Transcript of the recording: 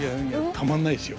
たまんないですよ。